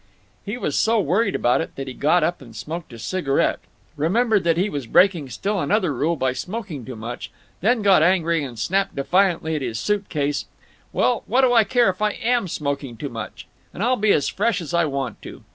He was so worried about it that he got up and smoked a cigarette, remembered that he was breaking still another rule by smoking too much, then got angry and snapped defiantly at his suit case: "Well, what do I care if I am smoking too much? And I'll be as fresh as I want to."